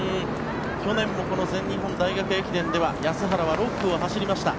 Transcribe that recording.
去年もこの全日本大学駅伝では安原は６区を走りました。